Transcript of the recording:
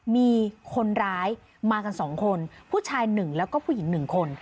มีคนร้ายมากันสองคนผู้ชายหนึ่งแล้วก็ผู้หญิงหนึ่งคน